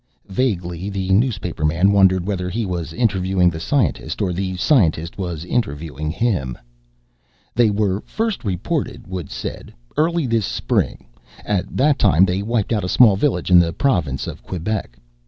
Vaguely the newspaperman wondered whether he was interviewing the scientist or the scientist interviewing him. "They were first reported," Woods said, "early this spring. At that time they wiped out a small village in the province of Quebec.